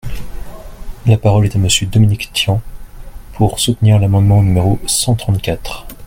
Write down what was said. La parole est à Monsieur Dominique Tian, pour soutenir l’amendement numéro cent trente-quatre.